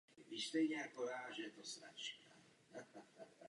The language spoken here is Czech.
Od čtvrtfinále již tato pravidla neplatí a mohou tak proti sobě hrát jakákoliv mužstva.